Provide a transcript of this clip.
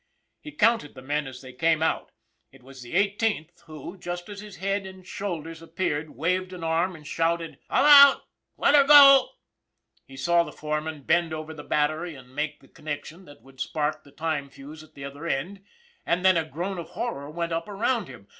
He counted the men as they came out. It was the eighteenth who, just as his head and shoulders ap "WHERE'S HAGGERTY?" 271 peared, waved an arm and shouted :" All out. Let 'er go !" He saw the foreman bend over the battery and make the connection that would spark the time fuse at the other end, and then a groan of horror went up around him.